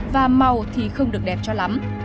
và màu thì không được đẹp cho lắm